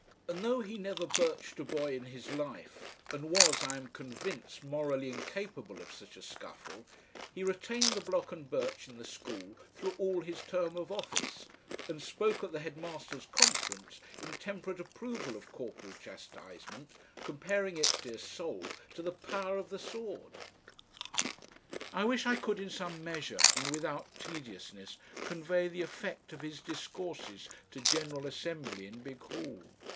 And though he never birched a boy in his life, and was, I am convinced, morally incapable of such a scuffle, he retained the block and birch in the school through all his term of office, and spoke at the Headmasters' Conference in temperate approval of corporal chastisement, comparing it, dear soul! to the power of the sword.... I wish I could, in some measure and without tediousness, convey the effect of his discourses to General Assembly in Big Hall.